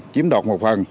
chiếm đọt một phần